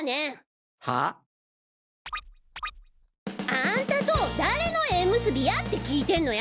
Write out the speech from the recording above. アンタと誰の縁結びやって聞いてんのや！